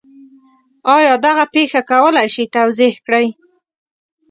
آیا دغه پېښه کولی شئ توضیح کړئ؟